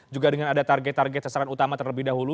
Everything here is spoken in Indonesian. juga dengan ada target target sasaran utama terlebih dahulu